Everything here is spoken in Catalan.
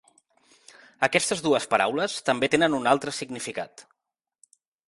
Aquestes dues paraules també tenen un altre significat.